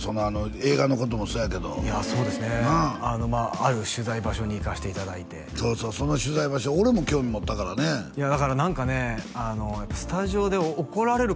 映画のこともそうやけどいやそうですねある取材場所に行かしていただいてそうそうその取材場所俺も興味持ったからねいやだから何かね